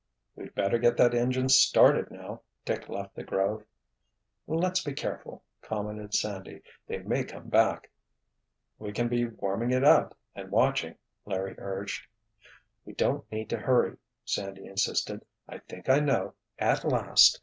"We'd better get that engine started, now." Dick left the grove. "Let's be careful," commented Sandy. "They may come back." "We can be warming it up and watching!" Larry urged. "We don't need to hurry," Sandy insisted. "I think I know—at last!